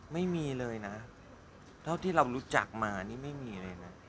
ไม่มีเลยนะเท่าที่เรารู้จักมานี่ไม่มีเลยนะ